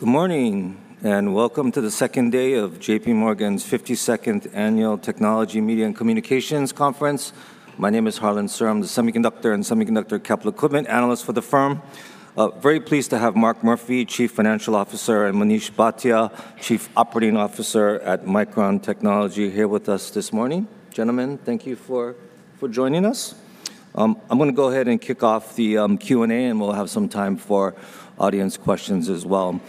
Good morning, and welcome to the second day of J.P. Morgan's 52nd Annual Technology, Media, and Communications Conference. My name is Harlan Sur, I'm the Semiconductor and Semiconductor Capital Equipment Analyst for the firm. Very pleased to have Mark Murphy, Chief Financial Officer, and Manish Bhatia, Chief Operating Officer at Micron Technology, here with us this morning. Gentlemen, thank you for joining us. I'm gonna go ahead and kick off the Q&A, and we'll have some time for audience questions as well.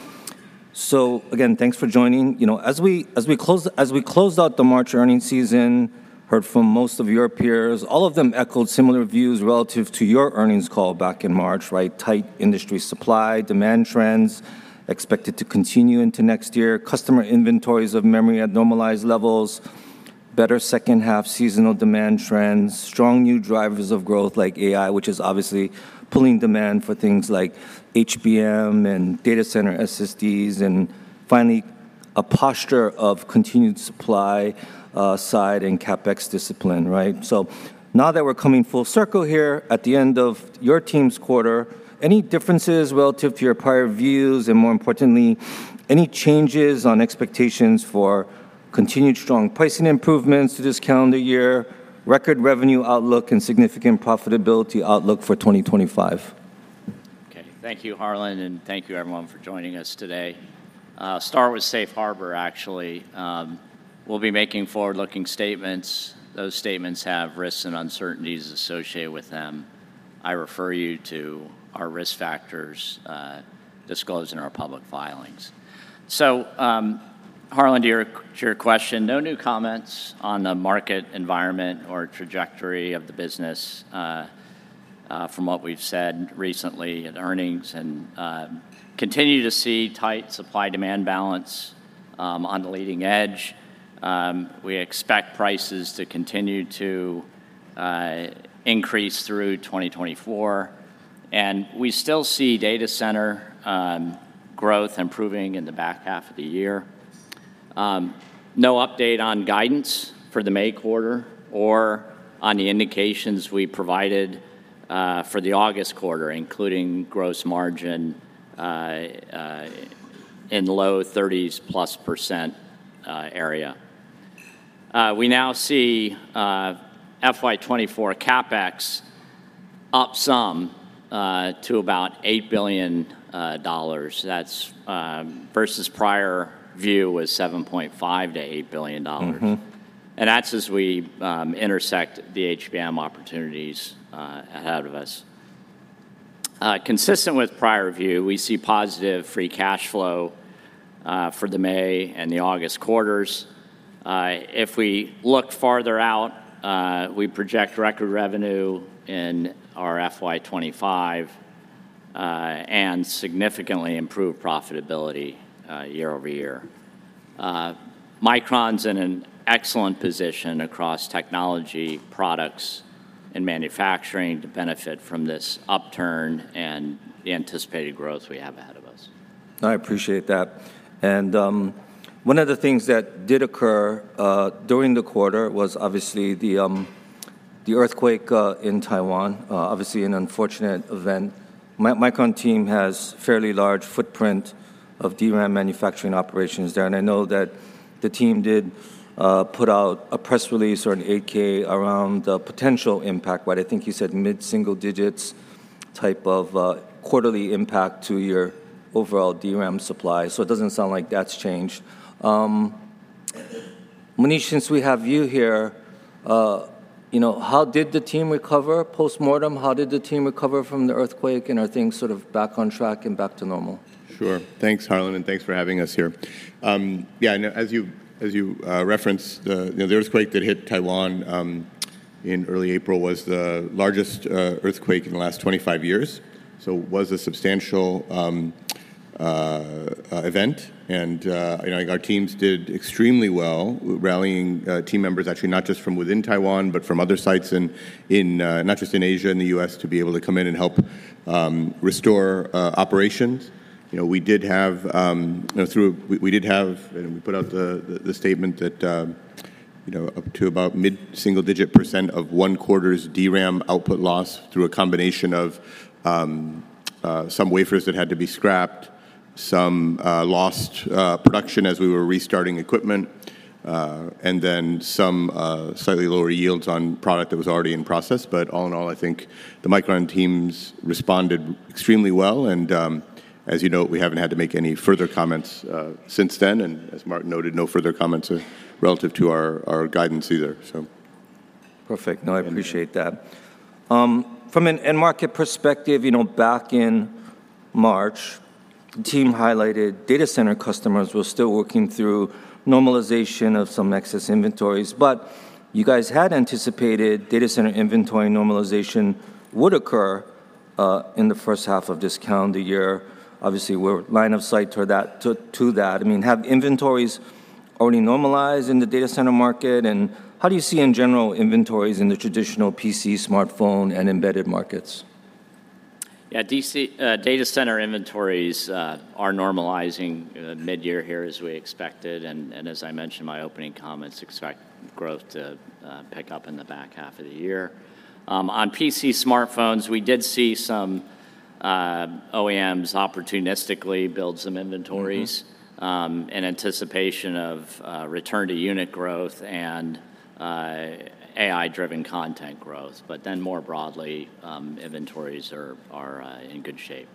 So again, thanks for joining. You know, as we closed out the March earnings season, heard from most of your peers, all of them echoed similar views relative to your earnings call back in March, right? Tight industry supply, demand trends expected to continue into next year, customer inventories of memory at normalized levels, better second-half seasonal demand trends, strong new drivers of growth like AI, which is obviously pulling demand for things like HBM and data center SSDs, and finally, a posture of continued supply-side and CapEx discipline, right? So now that we're coming full circle here at the end of your team's quarter, any differences relative to your prior views, and more importantly, any changes on expectations for continued strong pricing improvements to this calendar year, record revenue outlook, and significant profitability outlook for 2025? Okay, thank you, Harlan, and thank you everyone for joining us today. Start with Safe Harbor, actually. We'll be making forward-looking statements. Those statements have risks and uncertainties associated with them. I refer you to our risk factors disclosed in our public filings. Harlan, to your question, no new comments on the market environment or trajectory of the business from what we've said recently at earnings. Continue to see tight supply-demand balance on the leading edge. We expect prices to continue to increase through 2024, and we still see data center growth improving in the back half of the year. No update on guidance for the May quarter or on the indications we provided for the August quarter, including gross margin in the low 30s +% area. We now see FY 2024 CapEx up some to about $8 billion. That's versus prior view was $7.5 billion-$8 billion. Mm-hmm. And that's as we intersect the HBM opportunities ahead of us. Consistent with prior view, we see positive free cash flow for the May and the August quarters. If we look farther out, we project record revenue in our FY 25, and significantly improved profitability year over year. Micron's in an excellent position across technology, products, and manufacturing to benefit from this upturn and the anticipated growth we have ahead of us. I appreciate that. One of the things that did occur during the quarter was obviously the earthquake in Taiwan, obviously an unfortunate ramp. Micron team has fairly large footprint of DRAM manufacturing operations there, and I know that the team did put out a press release or an 8-K around the potential impact, what I think you said mid-single digits type of quarterly impact to your overall DRAM supply. So it doesn't sound like that's changed. Manish, since we have you here, you know, how did the team recover? Postmortem, how did the team recover from the earthquake, and are things sort of back on track and back to normal? Sure. Thanks, Harlan, and thanks for having us here. Yeah, and as you referenced, you know, the earthquake that hit Taiwan in early April was the largest earthquake in the last 25 years, so it was a substantial event. And, you know, our teams did extremely well, rallying team members, actually, not just from within Taiwan, but from other sites, not just in Asia, in the US, to be able to come in and help restore operations. You know, we did have... We put out the statement that, you know, up to about mid-single-digit % of one quarter's DRAM output loss through a combination of some wafers that had to be scrapped, some lost production as we were restarting equipment, and then some slightly lower yields on product that was already in process. But all in all, I think the Micron teams responded extremely well, and, as you know, we haven't had to make any further comments since then, and as Mark noted, no further comments relative to our guidance either, so. Perfect. No, I appreciate that. From an end-market perspective, you know, back in March, the team highlighted data center customers were still working through normalization of some excess inventories, but you guys had anticipated data center inventory normalization would occur in the first half of this calendar year. Obviously, we're line of sight to that, to, to that. I mean, have inventories already normalized in the data center market, and how do you see, in general, inventories in the traditional PC, smartphone, and embedded markets? Yeah, DC data center inventories are normalizing mid-year here as we expected, and as I mentioned in my opening comments, expect growth to pick up in the back half of the year. On PC, smartphones, we did see OEMs opportunistically build some inventories- Mm-hmm. In anticipation of return to unit growth and AI-driven content growth. But then more broadly, inventories are in good shape.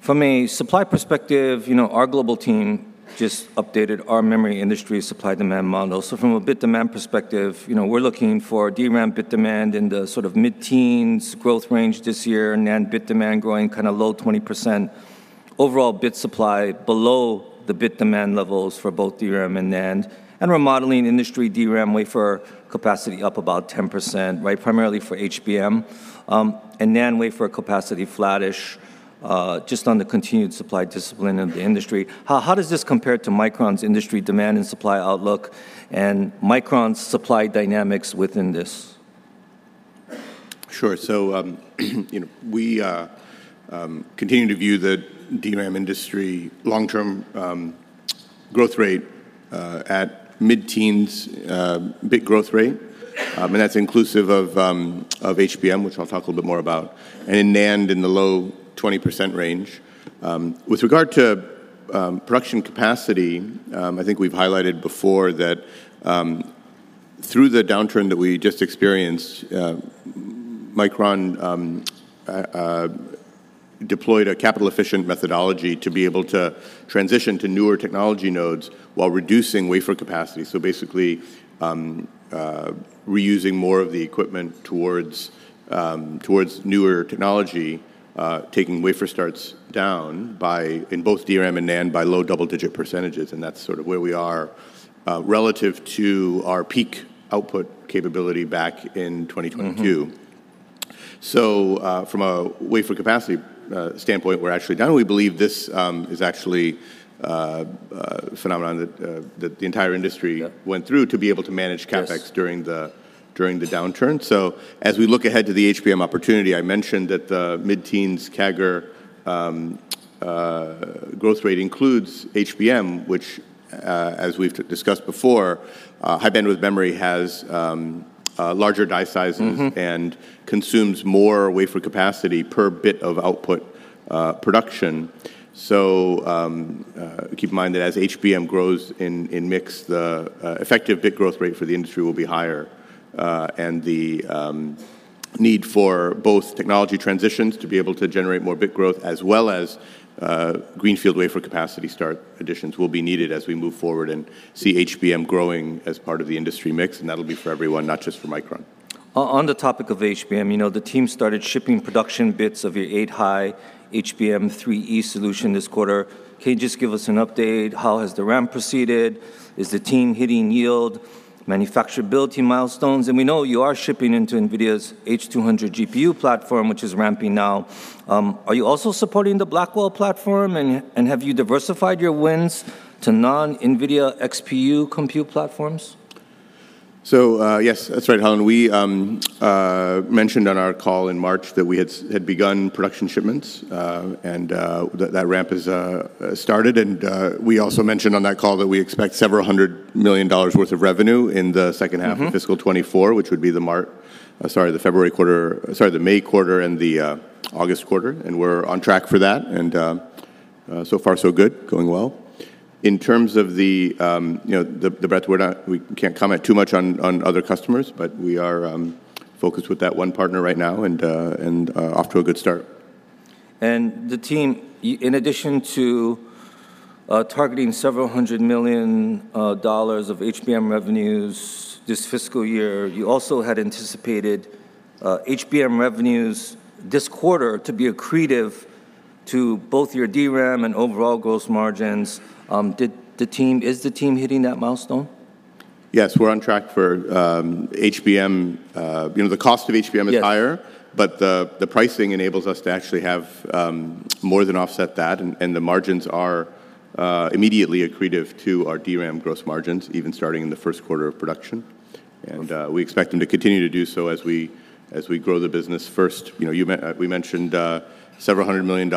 From a supply perspective, you know, our global team just updated our memory industry supply-demand model. From a bit demand perspective, you know, we're looking for DRAM bit demand in the sort of mid-teens growth range this year, NAND bit demand growing kinda low 20%. Overall bit supply below the bit demand levels for both DRAM and NAND. We're modeling industry DRAM wafer capacity up about 10%, right? Primarily for HBM. NAND wafer capacity flattish, just on the continued supply discipline of the industry. How does this compare to Micron's industry demand and supply outlook and Micron's supply dynamics within this? Sure. So, you know, we continue to view the DRAM industry long-term growth rate at mid-teens bit growth rate. And that's inclusive of HBM, which I'll talk a little bit more about, and NAND in the low 20% range. With regard to production capacity, I think we've highlighted before that, through the downturn that we just experienced, Micron deployed a capital-efficient methodology to be able to transition to newer technology nodes while reducing wafer capacity. So basically, reusing more of the equipment towards newer technology, taking wafer starts down in both DRAM and NAND, by low double-digit percentages, and that's sort of where we are relative to our peak output capability back in 2022. Mm-hmm. So, from a wafer capacity standpoint, we're actually done. We believe this is actually a phenomenon that the entire industry- Yeah... went through to be able to manage CapEx- Yes During the downturn. So as we look ahead to the HBM opportunity, I mentioned that the mid-teens CAGR growth rate includes HBM, which, as we've discussed before, high-bandwidth memory has larger die sizes- Mm-hmm -and consumes more wafer capacity per bit of output, production. So, keep in mind that as HBM grows in mix, the effective bit growth rate for the industry will be higher. The need for both technology transitions to be able to generate more bit growth, as well as, greenfield wafer capacity start additions will be needed as we move forward and see HBM growing as part of the industry mix, and that'll be for everyone, not just for Micron. On the topic of HBM, you know, the team started shipping production bits of your 8-high HBM3E solution this quarter. Can you just give us an update? How has the ramp proceeded? Is the team hitting yield, manufacturability milestones? And we know you are shipping into NVIDIA's H200 GPU platform, which is ramping now. Are you also supporting the Blackwell platform, and have you diversified your wins to non-NVIDIA XPU compute platforms? Yes, that's right, Harlan. We mentioned on our call in March that we had begun production shipments, and that ramp is started. We also mentioned on that call that we expect several $100 million worth of revenue in the second half- Mm-hmm... of fiscal 2024, which would be the—sorry, the February quarter—sorry, the May quarter and the August quarter, and we're on track for that. And, so far, so good. Going well. In terms of the, you know, the breadth, we're not—we can't comment too much on other customers, but we are focused with that one partner right now, and off to a good start. The team, in addition to targeting $100 million of HBM revenues this fiscal year, you also had anticipated HBM revenues this quarter to be accretive to both your DRAM and overall gross margins. Is the team hitting that milestone? Yes, we're on track for HBM. You know, the cost of HBM is higher- Yeah... but the pricing enables us to actually have more than offset that, and the margins are immediately accretive to our DRAM gross margins, even starting in the first quarter of production. Mm-hmm. And we expect them to continue to do so as we grow the business. First, you know, we mentioned several $100 million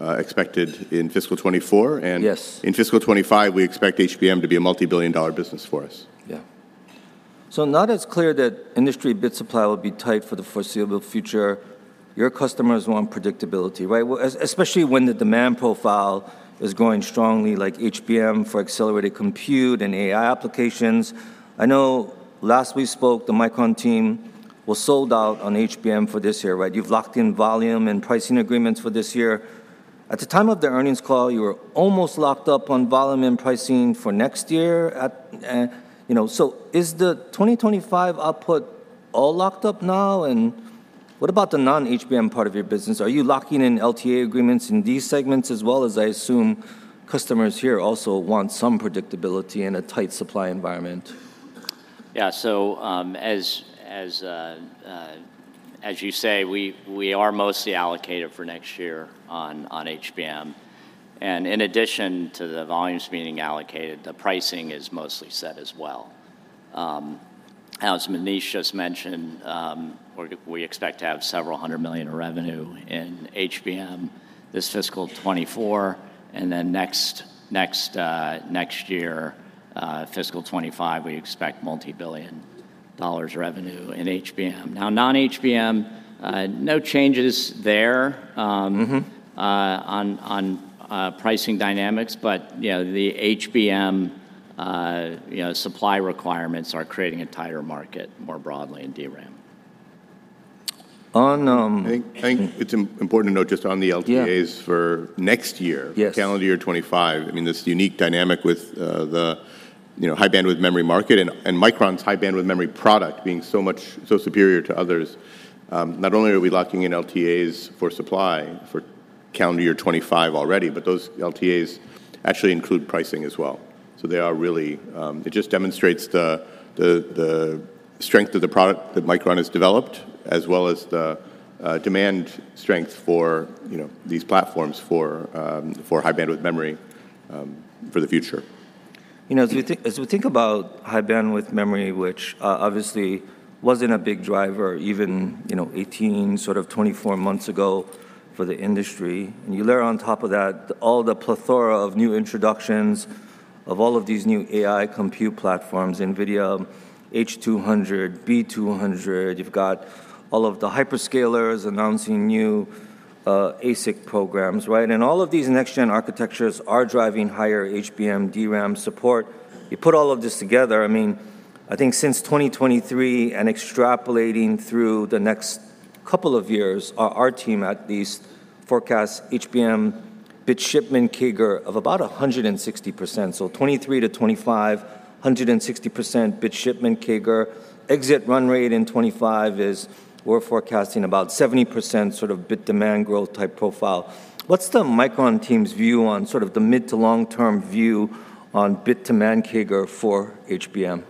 expected in fiscal 2024, and- Yes... in fiscal 2025, we expect HBM to be a multi-billion-dollar business for us. Yeah. So now that it's clear that industry bit supply will be tight for the foreseeable future, your customers want predictability, right? Well, especially when the demand profile is growing strongly, like HBM for accelerated compute and AI applications. I know last we spoke, the Micron team was sold out on HBM for this year, right? You've locked in volume and pricing agreements for this year. At the time of the earnings call, you were almost locked up on volume and pricing for next year at, You know, so is the 2025 output all locked up now? And what about the non-HBM part of your business? Are you locking in LTA agreements in these segments as well? As I assume, customers here also want some predictability in a tight supply environment. Yeah. So, as you say, we are mostly allocated for next year on HBM. And in addition to the volumes being allocated, the pricing is mostly set as well. As Manish just mentioned, we expect to have $several hundred million in revenue in HBM this fiscal 2024, and then next year, fiscal 2025, we expect multi-billion dollars revenue in HBM. Now, non-HBM, no changes there. Mm-hmm On pricing dynamics, but you know, the HBM, you know, supply requirements are creating a tighter market more broadly in DRAM. On, um- I think it's important to note just on the LTAs- Yeah for next year. Yes. Calendar year 2025, I mean, this unique dynamic with, the, you know, high-bandwidth memory market and, and Micron's high-bandwidth memory product being so much so superior to others, not only are we locking in LTAs for supply for calendar year 2025 already, but those LTAs actually include pricing as well. So they are really, it just demonstrates the strength of the product that Micron has developed, as well as the, demand strength for, you know, these platforms for, for high-bandwidth memory, for the future. You know, as we think, as we think about high-bandwidth memory, which obviously wasn't a big driver even, you know, 18, sort of 24 months ago for the industry, and you layer on top of that all the plethora of new introductions of all of these new AI compute platforms, NVIDIA H200, B200, you've got all of the hyperscalers announcing new ASIC programs, right? And all of these next-gen architectures are driving higher HBM, DRAM support. You put all of this together, I mean, I think since 2023, and extrapolating through the next couple of years, our team at least forecasts HBM bit shipment CAGR of about 160%. So 2023-2025, 160% bit shipment CAGR. Exit run rate in 2025 is we're forecasting about 70% sort of bit demand growth type profile. What's the Micron team's view on sort of the mid- to long-term view on bit demand CAGR for HBM?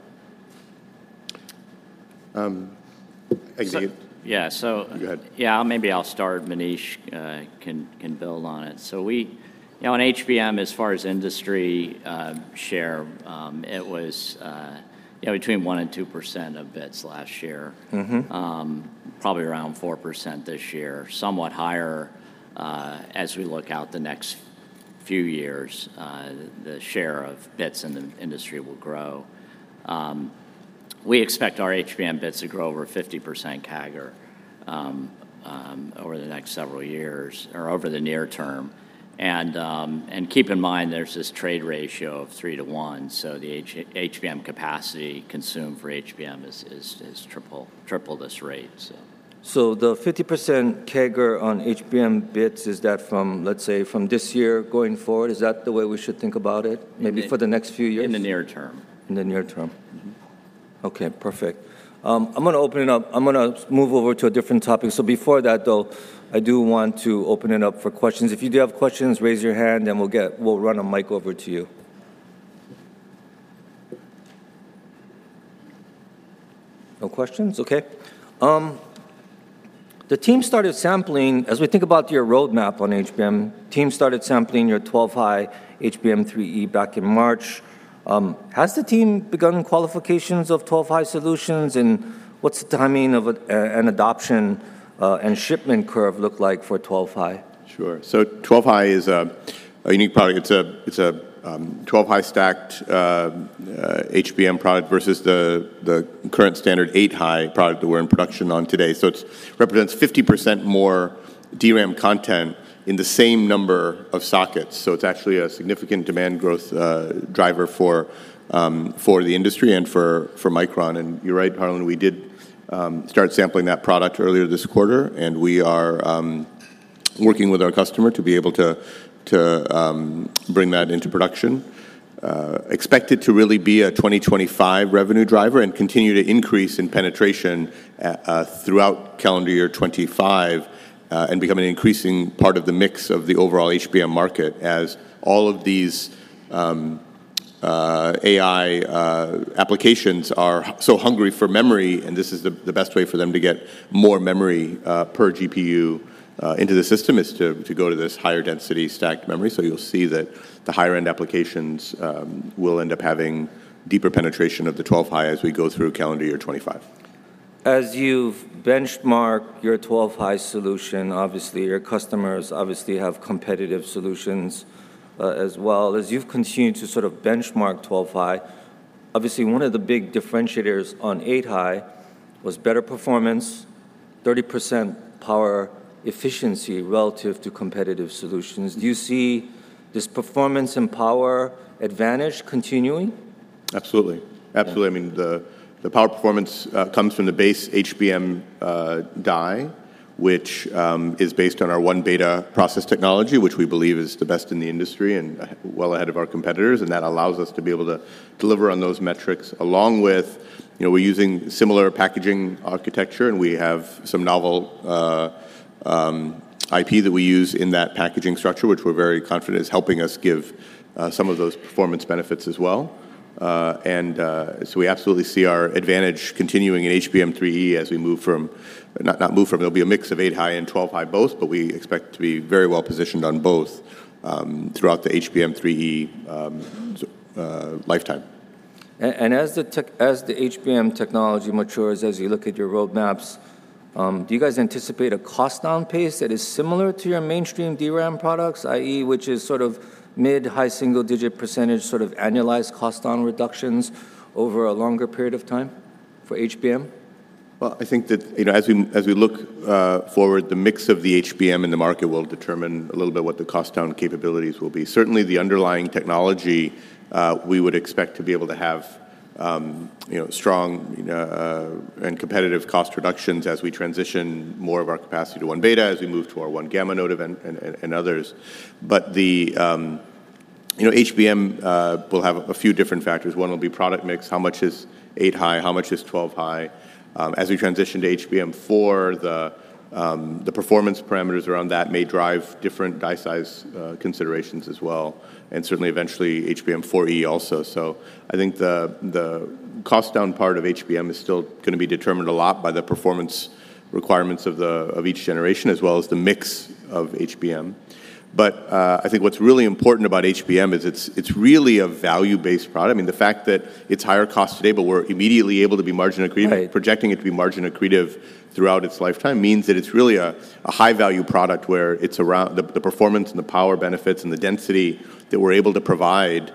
Um, Xavier? Yeah. So- Go ahead. Yeah, maybe I'll start, Manish, can build on it. So, you know, on HBM, as far as industry share, it was, you know, between 1% and 2% of bits last year. Mm-hmm. Probably around 4% this year, somewhat higher, as we look out the next few years, the share of bits in the industry will grow. We expect our HBM bits to grow over 50% CAGR, over the next several years or over the near term. And keep in mind, there's this trade ratio of 3-1, so the HBM capacity consumed for HBM is triple this rate, so. So the 50% CAGR on HBM bits, is that from, let's say, from this year going forward? Is that the way we should think about it, maybe for the next few years? In the near term. In the near term. Mm-hmm. Okay, perfect. I'm gonna open it up. I'm gonna move over to a different topic. So before that, though, I do want to open it up for questions. If you do have questions, raise your hand, and we'll get. We'll run a mic over to you. No questions? Okay. As we think about your roadmap on HBM, team started sampling your 12-high HBM3E back in March. Has the team begun qualifications of 12-high solutions, and what's the timing of an adoption and shipment curve look like for 12-high? Sure. So 12-high is a unique product. It's a 12-high stacked HBM product versus the current standard 8-high product that we're in production on today. So it represents 50% more DRAM content in the same number of sockets. So it's actually a significant demand growth driver for the industry and for Micron. And you're right, Harlan, we did start sampling that product earlier this quarter, and we are working with our customer to be able to bring that into production. Expect it to really be a 2025 revenue driver and continue to increase in penetration throughout calendar year 2025 and become an increasing part of the mix of the overall HBM market as all of these AI applications are so hungry for memory, and this is the best way for them to get more memory per GPU into the system, is to go to this higher density stacked memory. So you'll see that the higher-end applications will end up having deeper penetration of the 12-high as we go through calendar year 2025. As you've benchmarked your 12-high solution, obviously, your customers obviously have competitive solutions, as well. As you've continued to sort of benchmark 12-high, obviously, one of the big differentiators on 8-high was better performance, 30% power efficiency relative to competitive solutions. Do you see this performance and power advantage continuing? Absolutely. Absolutely. Yeah. I mean, the power performance comes from the base HBM die, which is based on our 1-beta process technology, which we believe is the best in the industry and well ahead of our competitors, and that allows us to be able to deliver on those metrics, along with, you know, we're using similar packaging architecture, and we have some novel IP that we use in that packaging structure, which we're very confident is helping us give some of those performance benefits as well. And so we absolutely see our advantage continuing in HBM3E as we move from... Not, not move from, there'll be a mix of 8-high and 12-high both, but we expect to be very well positioned on both throughout the HBM3E lifetime. As the tech, as the HBM technology matures, as you look at your roadmaps, do you guys anticipate a cost down pace that is similar to your mainstream DRAM products, i.e., which is sort of mid- to high-single-digit percentage, sort of annualized cost down reductions over a longer period of time for HBM? Well, I think that, you know, as we look forward, the mix of the HBM in the market will determine a little bit what the cost down capabilities will be. Certainly, the underlying technology, we would expect to be able to have, you know, strong and competitive cost reductions as we transition more of our capacity to 1-beta, as we move to our 1-gamma node event and others. But the, you know, HBM, will have a few different factors. One will be product mix. How much is 8-high? How much is 12-high? As we transition to HBM4, the performance parameters around that may drive different die size considerations as well, and certainly eventually HBM4E also. So I think the cost down part of HBM is still gonna be determined a lot by the performance requirements of each generation, as well as the mix of HBM. But I think what's really important about HBM is it's really a value-based product. I mean, the fact that it's higher cost today, but we're immediately able to be margin accretive- Right... projecting it to be margin accretive throughout its lifetime, means that it's really a high-value product, where it's around the performance and the power benefits and the density that we're able to provide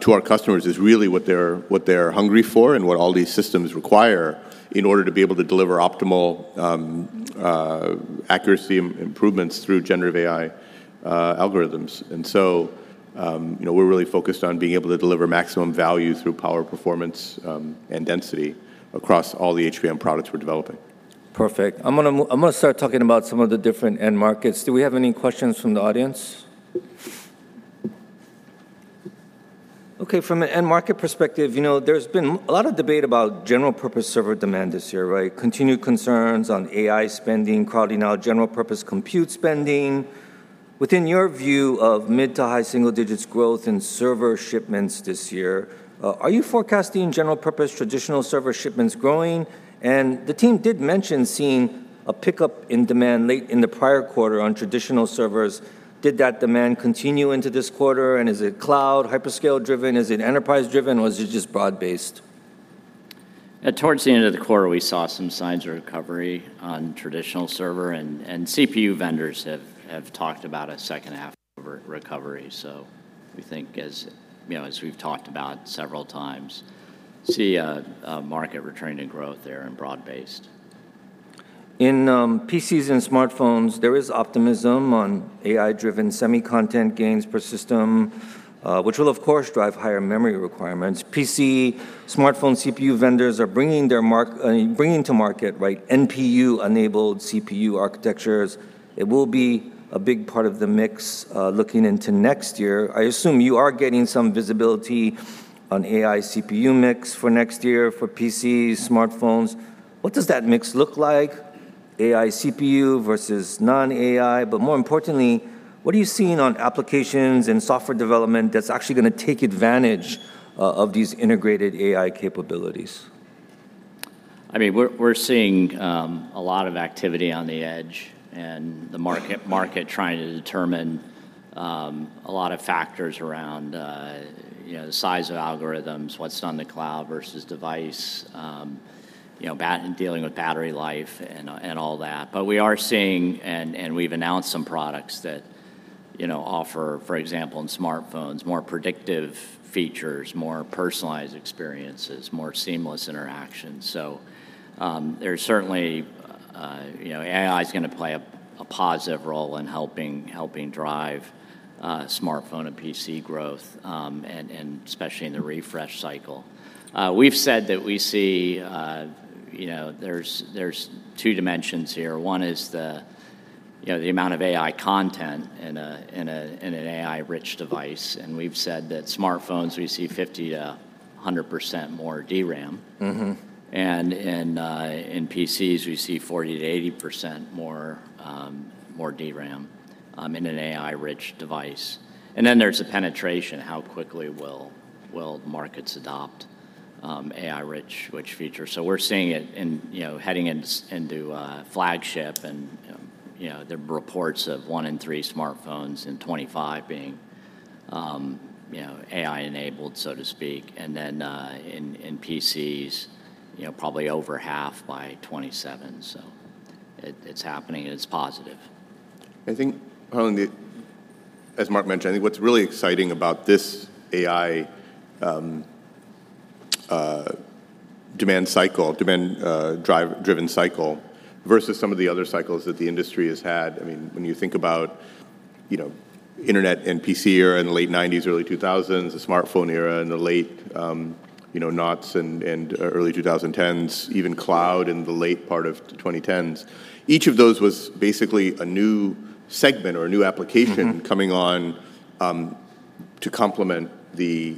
to our customers is really what they're hungry for and what all these systems require in order to be able to deliver optimal accuracy improvements through generative AI algorithms. And so, you know, we're really focused on being able to deliver maximum value through power, performance, and density across all the HBM products we're developing. Perfect. I'm gonna start talking about some of the different end markets. Do we have any questions from the audience? Okay, from an end market perspective, you know, there's been a lot of debate about general purpose server demand this year, right? Continued concerns on AI spending, crowding out general purpose compute spending. Within your view of mid- to high-single-digits growth in server shipments this year, are you forecasting general purpose traditional server shipments growing? And the team did mention seeing a pickup in demand late in the prior quarter on traditional servers. Did that demand continue into this quarter, and is it cloud hyperscaler driven? Is it enterprise driven, or is it just broad-based? Towards the end of the quarter, we saw some signs of recovery on traditional server and CPU vendors have talked about a second half recovery. So we think, you know, as we've talked about several times, see a market returning to growth there and broad-based. In PCs and smartphones, there is optimism on AI-driven semi-content gains per system, which will, of course, drive higher memory requirements. PC, smartphone CPU vendors are bringing to market, right, NPU-enabled CPU architectures. It will be a big part of the mix, looking into next year. I assume you are getting some visibility on AI CPU mix for next year for PCs, smartphones. What does that mix look like, AI CPU versus non-AI? But more importantly, what are you seeing on applications and software development that's actually gonna take advantage of these integrated AI capabilities? I mean, we're seeing a lot of activity on the edge and the market trying to determine a lot of factors around, you know, the size of algorithms, what's on the cloud versus device, you know, dealing with battery life and all that. But we are seeing, and we've announced some products that, you know, offer, for example, in smartphones, more predictive features, more personalized experiences, more seamless interactions. So, there's certainly, you know, AI is gonna play a positive role in helping drive smartphone and PC growth, and especially in the refresh cycle. We've said that we see, you know, there's two dimensions here. One is the, you know, the amount of AI content in an AI-rich device, and we've said that smartphones, we see 50%-100% more DRAM. Mm-hmm. In PCs, we see 40%-80% more DRAM in an AI-rich device. And then there's the penetration, how quickly will markets adopt AI-rich which feature? So we're seeing it in, you know, heading into flagship and, you know, the reports of one in three smartphones in 2025 being, you know, AI-enabled, so to speak, and then in PCs, you know, probably over half by 2027. So it, it's happening, and it's positive. I think, Harlan, the—as Mark mentioned, I think what's really exciting about this AI-driven demand cycle versus some of the other cycles that the industry has had, I mean, when you think about, you know, internet and PC era in the late 1990s, early 2000s, the smartphone era in the late, you know, noughts and early 2010s, even cloud in the late part of the 2010s, each of those was basically a new segment or a new application- Mm-hmm... coming on to complement the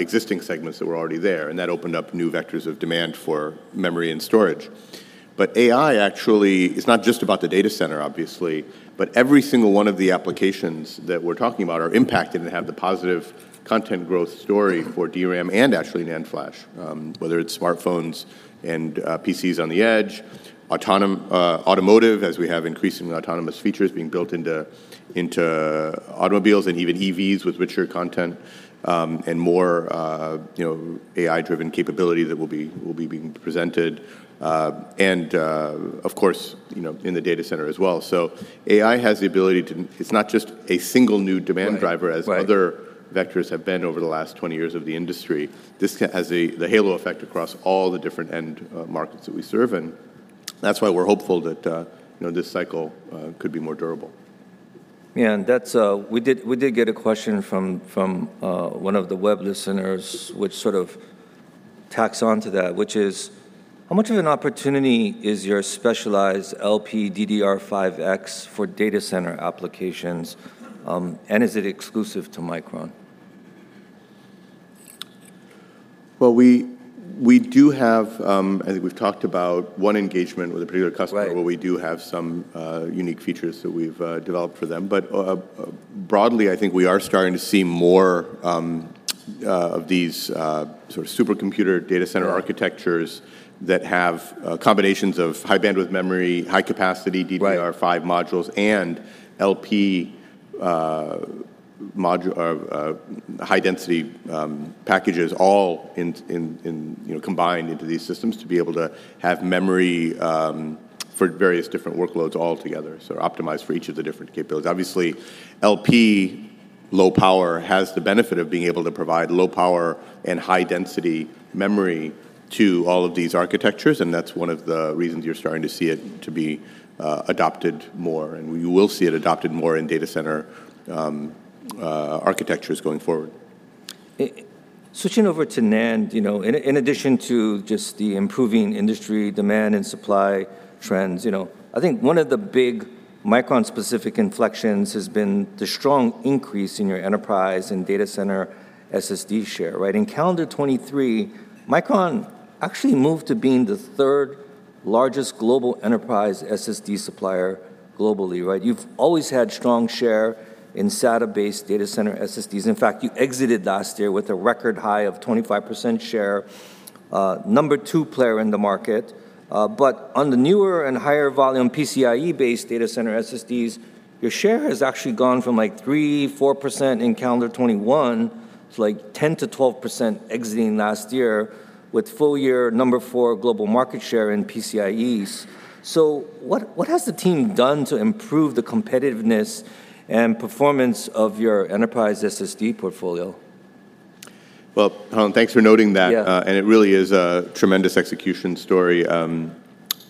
existing segments that were already there, and that opened up new vectors of demand for memory and storage. But AI actually is not just about the data center, obviously, but every single one of the applications that we're talking about are impacted and have the positive content growth story for DRAM and actually NAND flash. Whether it's smartphones and PCs on the edge, autonomous automotive, as we have increasingly autonomous features being built into automobiles and even EVs with richer content, and more you know AI-driven capability that will be being presented. And of course, you know, in the data center as well. So AI has the ability to— It's not just a single new demand driver- Right, right. As other vectors have been over the last 20 years of the industry. This has the halo effect across all the different end markets that we serve in. That's why we're hopeful that, you know, this cycle could be more durable. Yeah, and that's, we did get a question from one of the web listeners, which sort of tacks on to that, which is: How much of an opportunity is your specialized LPDDR5X for data center applications, and is it exclusive to Micron? Well, we do have. I think we've talked about one engagement with a particular customer- Right... where we do have some unique features that we've developed for them. But broadly, I think we are starting to see more of these sort of supercomputer data center architectures that have combinations of high-bandwidth memory, high-capacity DDR5- Right -modules and LP module high-density packages all in, you know, combined into these systems to be able to have memory for various different workloads all together, so optimized for each of the different capabilities. Obviously, LP, low power, has the benefit of being able to provide low power and high-density memory to all of these architectures, and that's one of the reasons you're starting to see it to be adopted more, and we will see it adopted more in data center architectures going forward. Switching over to NAND, you know, in addition to just the improving industry demand and supply trends, you know, I think one of the big Micron-specific inflections has been the strong increase in your enterprise and data center SSD share, right? In calendar 2023, Micron actually moved to being the third largest global enterprise SSD supplier globally, right? You've always had strong share in SATA-based data center SSDs. In fact, you exited last year with a record high of 25% share, number two player in the market. But on the newer and higher volume PCIe-based data center SSDs, your share has actually gone from, like, 3-4% in calendar 2021 to, like, 10%-12% exiting last year, with full year number 4 global market share in PCIe. So, what has the team done to improve the competitiveness and performance of your Enterprise SSD portfolio? Well, Harlan, thanks for noting that. Yeah. And it really is a tremendous execution story,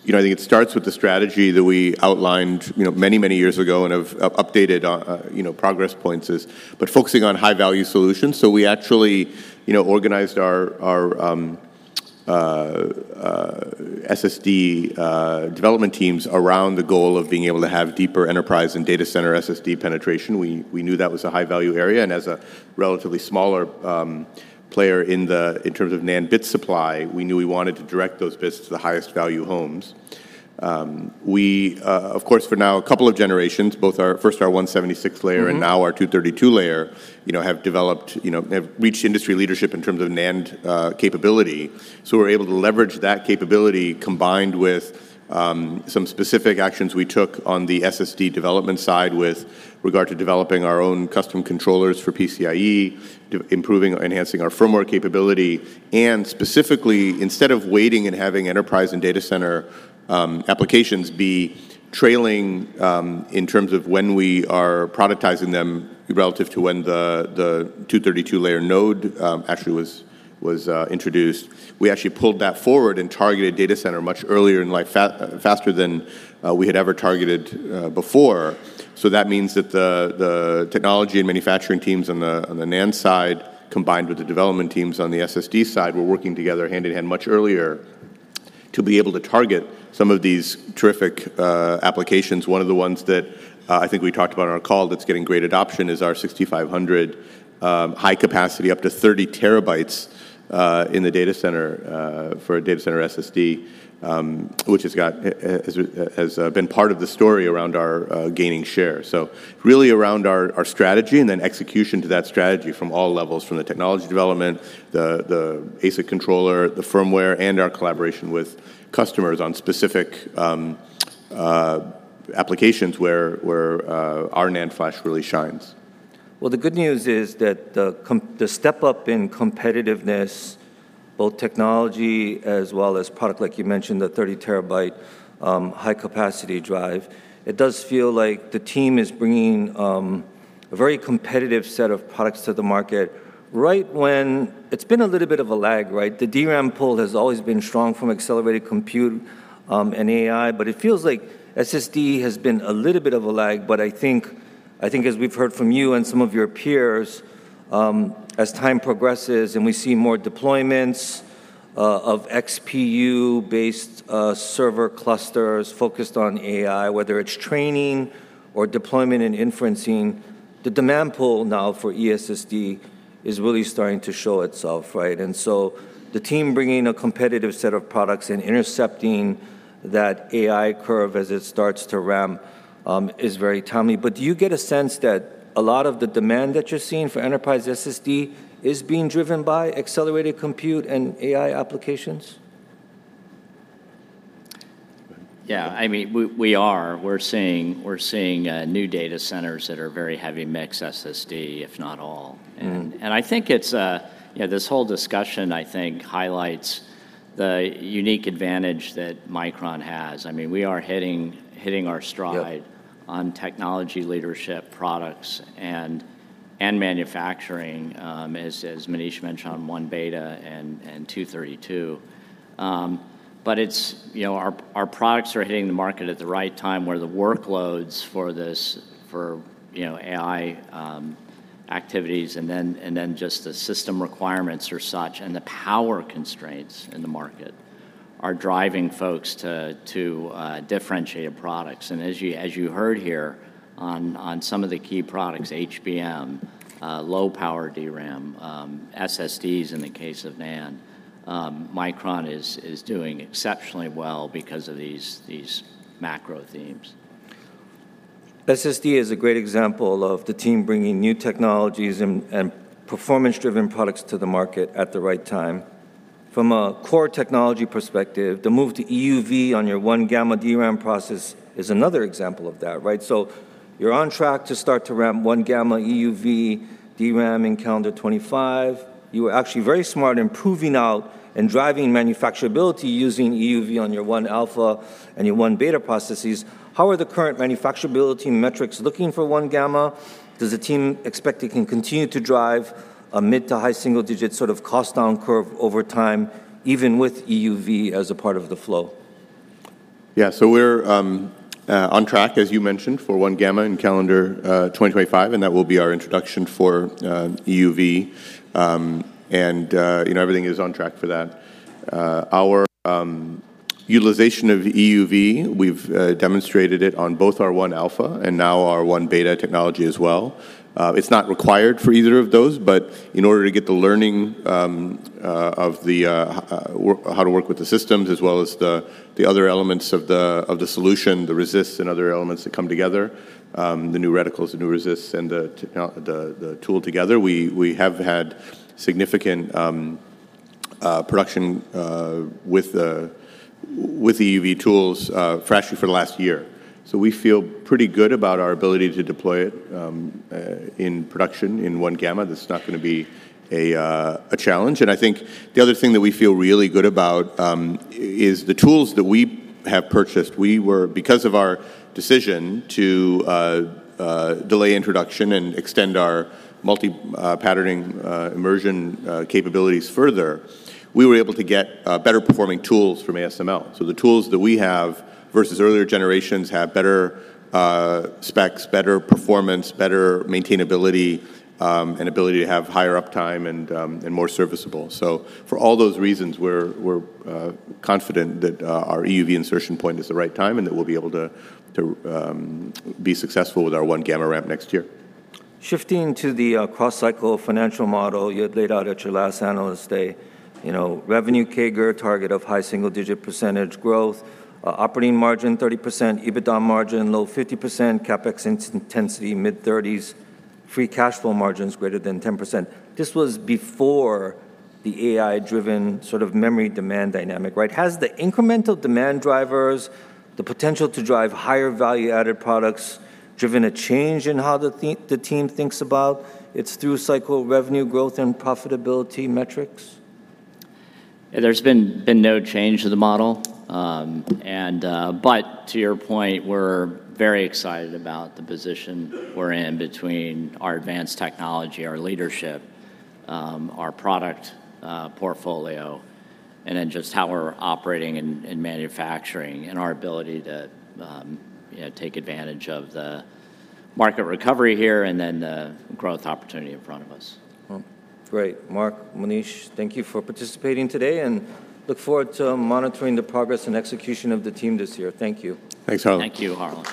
you know, I think it starts with the strategy that we outlined, you know, many, many years ago and have updated on, you know, progress points, but focusing on high-value solutions. So we actually, you know, organized our SSD development teams around the goal of being able to have deeper enterprise and data center SSD penetration. We knew that was a high-value area, and as a relatively smaller player in terms of NAND bit supply, we knew we wanted to direct those bits to the highest value homes. Of course, for now, a couple of generations, both our first 176-layer- Mm-hmm... and now our 232-layer, you know, have developed, you know, have reached industry leadership in terms of NAND capability. So we're able to leverage that capability, combined with some specific actions we took on the SSD development side with regard to developing our own custom controllers for PCIe, improving or enhancing our firmware capability, and specifically, instead of waiting and having enterprise and data center applications be trailing, in terms of when we are productizing them relative to when the, the 232-layer node actually was, was introduced. We actually pulled that forward and targeted data center much earlier in life, faster than we had ever targeted before. So that means that the technology and manufacturing teams on the NAND side, combined with the development teams on the SSD side, were working together hand-in-hand much earlier to be able to target some of these terrific applications. One of the ones that I think we talked about on our call that's getting great adoption is our 6500 high capacity, up to 30 TB in the data center for a data center SSD, which has been part of the story around our gaining share. So really around our strategy and then execution to that strategy from all levels, from the technology development, the ASIC controller, the firmware, and our collaboration with customers on specific applications where our NAND flash really shines. Well, the good news is that the step-up in competitiveness, both technology as well as product, like you mentioned, the 30-terabyte high-capacity drive, it does feel like the team is bringing a very competitive set of products to the market right when it's been a little bit of a lag, right? The DRAM pull has always been strong from accelerated compute and AI, but it feels like SSD has been a little bit of a lag. But I think, I think as we've heard from you and some of your peers, as time progresses, and we see more deployments of XPU-based server clusters focused on AI, whether it's training or deployment and inferencing, the demand pull now for ESSD is really starting to show itself, right? The team bringing a competitive set of products and intercepting that AI curve as it starts to ramp is very timely. Do you get a sense that a lot of the demand that you're seeing for enterprise SSD is being driven by accelerated compute and AI applications? Yeah, I mean, we are. We're seeing new data centers that are very heavy mixed SSD, if not all. Mm-hmm. And I think it's, you know, this whole discussion I think highlights the unique advantage that Micron has. I mean, we are hitting our stride- Yep On technology leadership products and manufacturing, as Manish mentioned on 1-beta and 232. But it's, you know, our products are hitting the market at the right time, where the workloads for this, for you know, AI activities, and then just the system requirements are such, and the power constraints in the market are driving folks to differentiate products. And as you heard here on some of the key products, HBM, low-power DRAM, SSDs in the case of NAND, Micron is doing exceptionally well because of these macro themes. SSD is a great example of the team bringing new technologies and performance-driven products to the market at the right time. From a core technology perspective, the move to EUV on your 1-gamma DRAM process is another example of that, right? So you're on track to start to ramp 1-gamma EUV DRAM in calendar 2025. You were actually very smart in proving out and driving manufacturability using EUV on your 1-alpha and your 1-beta processes. How are the current manufacturability metrics looking for 1-gamma? Does the team expect it can continue to drive a mid- to high single-digit sort of cost-down curve over time, even with EUV as a part of the flow? Yeah. So we're on track, as you mentioned, for 1 Gamma in calendar 2025, and that will be our introduction for EUV. You know, everything is on track for that. Our utilization of EUV, we've demonstrated it on both our 1-alpha and now our 1 Beta technology as well. It's not required for either of those, but in order to get the learning of how to work with the systems, as well as the other elements of the solution, the resists and other elements that come together, the new reticles, the new resists, and the tool together, we have had significant production with the EUV tools, frankly, for the last year. So we feel pretty good about our ability to deploy it in production in 1-gamma. That's not gonna be a challenge. I think the other thing that we feel really good about is the tools that we have purchased. Because of our decision to delay introduction and extend our multi-patterning immersion capabilities further, we were able to get better performing tools from ASML. So the tools that we have versus earlier generations have better specs, better performance, better maintainability, and ability to have higher uptime and more serviceable. So for all those reasons, we're confident that our EUV insertion point is the right time, and that we'll be able to be successful with our 1-gamma ramp next year. Shifting to the cross-cycle financial model you had laid out at your last Analyst Day, you know, revenue CAGR target of high single-digit % growth, operating margin 30%, EBITDA margin low 50%, CapEx intensity mid-30s, free cash flow margins greater than 10%. This was before the AI-driven sort of memory demand dynamic, right? Has the incremental demand drivers, the potential to drive higher value-added products, driven a change in how the team thinks about its through-cycle revenue growth and profitability metrics? There's been no change to the model. But to your point, we're very excited about the position we're in between our advanced technology, our leadership, our product portfolio, and then just how we're operating in manufacturing, and our ability to, you know, take advantage of the market recovery here and then the growth opportunity in front of us. Well, great. Mark, Manish, thank you for participating today, and look forward to monitoring the progress and execution of the team this year. Thank you. Thanks, Harlan. Thank you, Harlan.